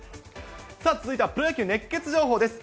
さあ、続いてはプロ野球熱ケツ情報です。